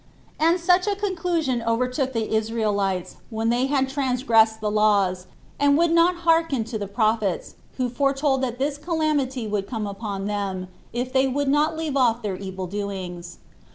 And such a conclusion overtook the Israelites, when they had transgressed the laws, and would not hearken to the prophets, who foretold that this calamity would come upon them, if they would not leave off their evil doings.